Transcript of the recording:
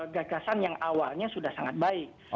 gagasan yang awalnya sudah sangat baik